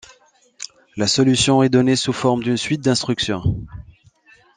La solution est donnée sous forme d'une suite d'instructions.